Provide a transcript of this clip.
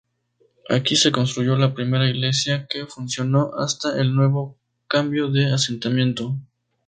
Aquí se construyó la primera iglesia que funcionó hasta el nuevo cambio de asentamiento.